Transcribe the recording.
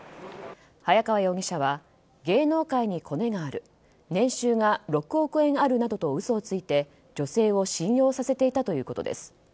早川容疑者は芸能界にコネがある年収が６億円あるなどと嘘をついて女性を信用させていたということです。